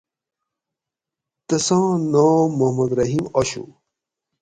تساں نام محمد رحیم آشو